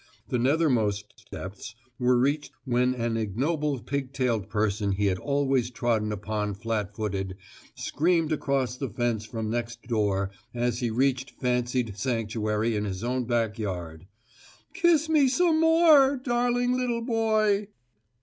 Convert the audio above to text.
The nethermost depths were reached when an ignoble pigtailed person he had always trodden upon flat footed screamed across the fence from next door, as he reached fancied sanctuary in his own backyard: "Kiss me some more, darling little boy!"